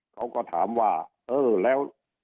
เขาก็ถามว่าเออแล้ว